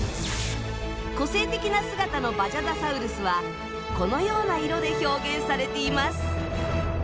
個性的な姿のバジャダサウルスはこのような色で表現されています。